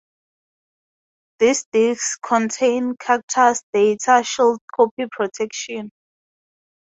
These disks contained Cactus Data Shield copy protection.